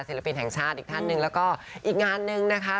ศิลปินแห่งชาติอีกท่านหนึ่งแล้วก็อีกงานนึงนะคะ